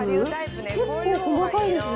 結構細かいですね。